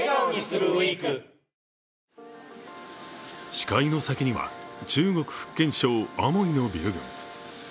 視界の先には中国・福建省アモイのビル群。